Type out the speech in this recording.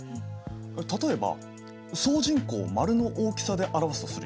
例えば総人口を丸の大きさで表すとするよね。